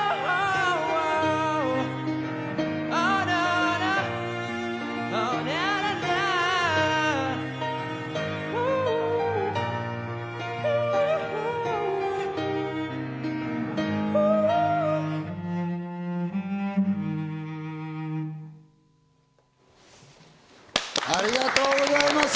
ありがとうございます！